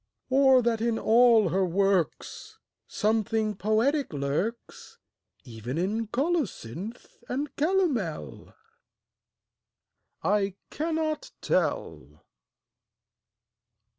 Or that in all her works Something poetic lurks, Even in colocynth and calomel? I cannot tell.